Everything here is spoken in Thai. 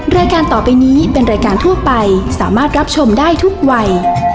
รายการต่อไปนี้เป็นรายการทั่วไปสามารถรับชมได้ทุกวัย